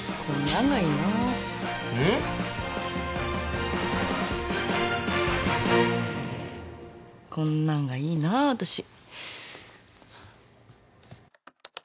こんなんがいいなぁ私。